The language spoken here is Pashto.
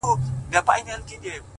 کندهار مي د بابا په قباله دی.!